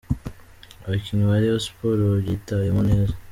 Abakinnyi ba Rayon Sports babyitwayemo neza.